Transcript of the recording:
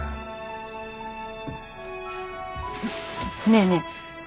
ねえねえ